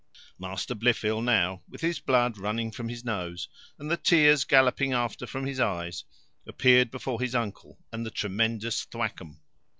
Master Blifil now, with his blood running from his nose, and the tears galloping after from his eyes, appeared before his uncle and the tremendous Thwackum.